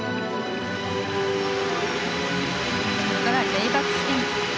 レイバックスピン。